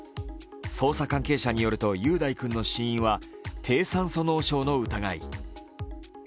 捜査関係者によると、雄大君の死因は低酸素脳症の疑い。